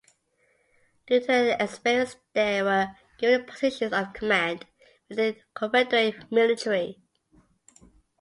Due to their experience they were given positions of command within the Confederate military.